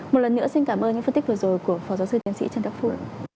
một lần nữa xin cảm ơn những phân tích vừa rồi của phó giáo sư tiến sĩ trần đắc phu